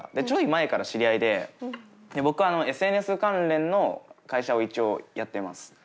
ちょい前から知り合いで僕はＳＮＳ関連の会社を一応やってます。